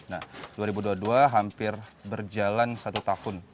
nah dua ribu dua puluh dua hampir berjalan satu tahun